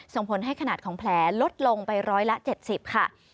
ส่งผลให้ขนาดของแผลลดลงไปร้อยละ๗๐ค่ะ